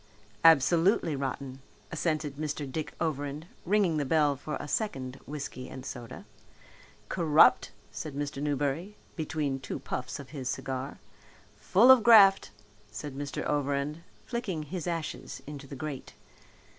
"Absolutely rotten," assented Mr. Dick Overend, ringing the bell for a second whiskey and soda. "Corrupt," said Mr. Newberry, between two puffs of his cigar. "Full of graft," said Mr. Overend, flicking his ashes into the grate.